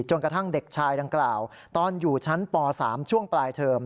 กระทั่งเด็กชายดังกล่าวตอนอยู่ชั้นป๓ช่วงปลายเทอม